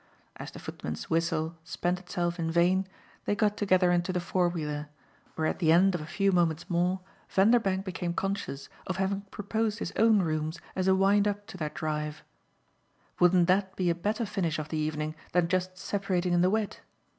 As the footman's whistle spent itself in vain they got together into the four wheeler, where at the end of a few moments more Vanderbank became conscious of having proposed his own rooms as a wind up to their drive. Wouldn't that be a better finish of the evening than just separating in the wet?